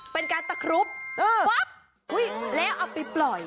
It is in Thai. เป็นการตะครุบปั๊บแล้วเอาไปปล่อย